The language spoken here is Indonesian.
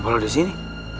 kenapa lo disini